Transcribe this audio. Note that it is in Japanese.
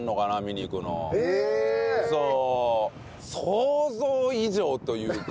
想像以上というか。